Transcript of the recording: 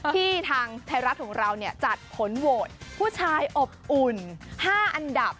ที่ทางไทยรักษณ์ของเราเนี่ยจัดผลโหวตผู้ชายอบอุ่น๕อันดับ